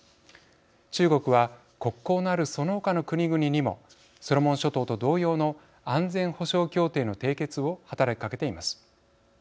中国は、国交のあるその他の国々にもソロモン諸島と同様の安全保障協定の締結を働きかけています。